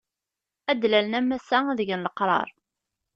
Ad d-lalen am ass-a, ad egen leqṛaṛ.